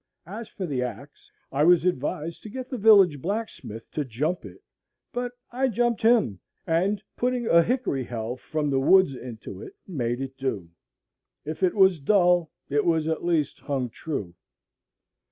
As for the axe, I was advised to get the village blacksmith to "jump" it; but I jumped him, and, putting a hickory helve from the woods into it, made it do. If it was dull, it was at least hung true.